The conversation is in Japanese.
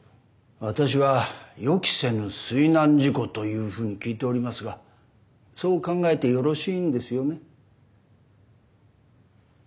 私は予期せぬ水難事故というふうに聞いておりますがそう考えてよろしいんですよね？